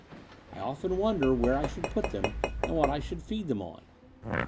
I often wonder where I should put them and what I should feed them on."